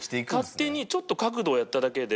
勝手にちょっと角度をやっただけで。